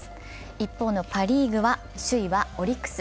一方のパ・リーグは首位はオリックス。